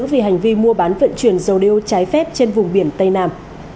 vì hành vi mua bán vận chuyển dầu đeo trái phép trên vùng biển tây nam